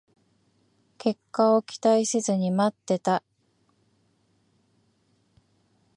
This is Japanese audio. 結果を期待せずに待ってた